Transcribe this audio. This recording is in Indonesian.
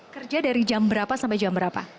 kerja dari jam berapa sampai jam berapa